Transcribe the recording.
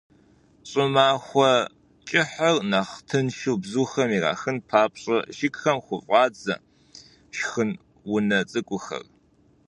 ЩӀымахуэ кӀыхьыр нэхъ тыншу бзухэм ирахын папщӀэ, жыгхэм хуфӀадзэ шхын унэ цӀыкӀухэр.